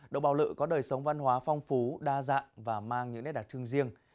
đồng bào lự có đời sống văn hóa phong phú đa dạng và mang những nét đặc trưng riêng